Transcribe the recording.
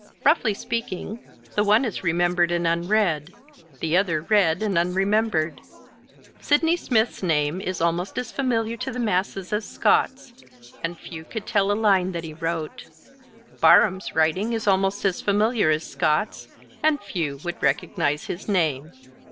Roughly speaking, the one is remembered and unread, the other read and unremembered. Sydney Smith's name is almost as familiar to the masses as Scott's, and few could tell a line that he wrote; Barham's writing is almost as familiar as Scott's, and few would recognize his name.